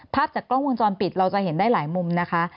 ภาพจากกล้องวงจรปิดเราจะเห็นได้หลายมุมนะคะ